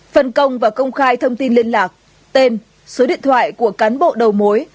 phân công và công khai thông tin liên lạc tên số điện thoại của cán bộ đầu mối